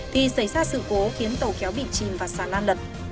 thì xảy ra sự cố khiến tàu kéo bị chìm và xà lan lật